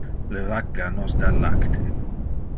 Le vacca nos da lacte.